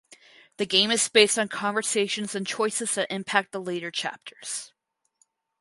The game is based on conversations and choices that impact the later chapters.